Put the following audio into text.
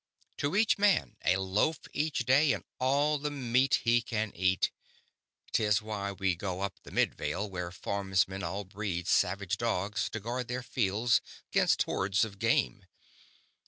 To each man a loaf each day, and all the meat he can eat. 'Tis why we go up the Midvale, where farmsmen all breed savage dogs to guard their fields 'gainst hordes of game.